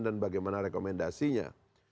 dan bagaimana rekomendasinya